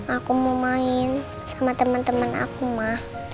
aku mau main sama temen temen aku ma